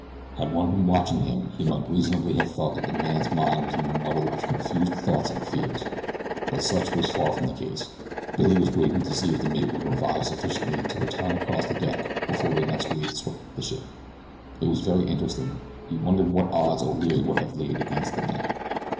Had one been watching him he might reasonably have thought that the man's mind was in a muddle of confused thoughts and fears; but such was far from the case. Billy was waiting to see if the mate would revive sufficiently to return across the deck before the next wave swept the ship. It was very interesting he wondered what odds O'Leary would have laid against the man.